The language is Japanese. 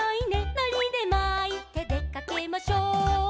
「のりでまいてでかけましょう」